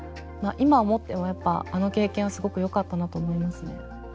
今思ってもやっぱあの経験はすごくよかったなと思いますね。